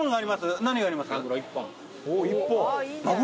何があります？